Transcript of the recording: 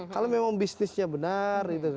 kalau memang bisnisnya benar